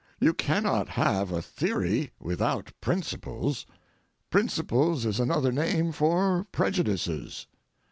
You cannot have a theory without principles. Principles is another name for prejudices.